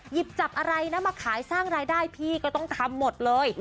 หยิบจับอะไรนะมาขายสร้างรายได้พี่ก็ต้องทำหมดเลย